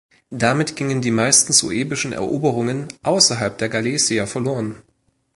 Damit gingen die meisten suebischen Eroberungen außerhalb der "Gallaecia" verloren.